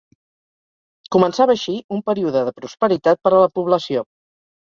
Començava així un període de prosperitat per a la població.